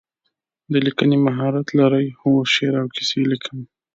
د لیکنې مهارت لرئ؟ هو، شعر او کیسې لیکم